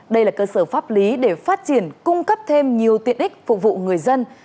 đây là cơ sở pháp lý để phát triển cung cấp thêm nhiều tiện ích phục vụ người dân